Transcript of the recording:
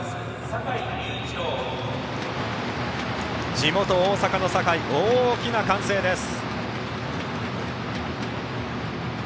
地元・大阪の坂井大きな歓声です。